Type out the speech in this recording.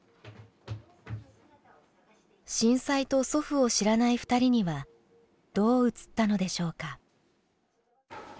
震災と祖父を知らない２人にはどう映ったのでしょうか？